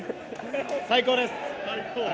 最高です！